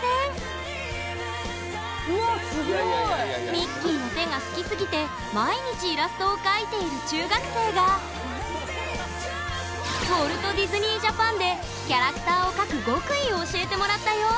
ミッキーの手が好きすぎて毎日イラストを描いている中学生がキャラクターを描く極意を教えてもらったよ！